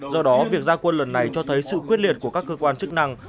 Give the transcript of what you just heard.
do đó việc gia quân lần này cho thấy sự quyết liệt của các cơ quan chức năng